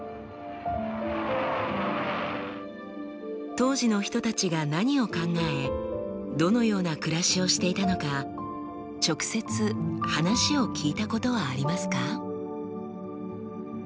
当時の人たちが何を考えどのような暮らしをしていたのか直接話を聞いたことはありますか？